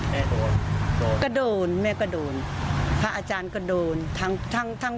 โดนโดนก็โดนแม่ก็โดนพระอาจารย์ก็โดนทั้งทั้ง